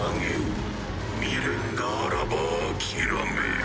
未練があらば諦めよ。